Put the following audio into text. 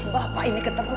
bapak ini keterlaluan